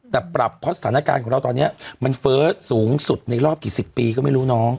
แต่ปรับเพราะสถานการณ์ของเราตอนนี้มันเฟ้อสูงสุดในรอบกี่สิบปีก็ไม่รู้น้อง